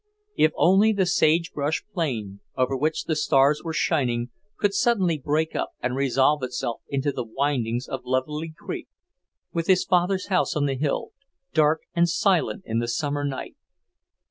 If only the sagebrush plain, over which the stars were shining, could suddenly break up and resolve itself into the windings of Lovely Creek, with his father's house on the hill, dark and silent in the summer night!